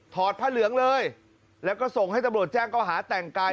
ผ้าเหลืองเลยแล้วก็ส่งให้ตำรวจแจ้งเขาหาแต่งกาย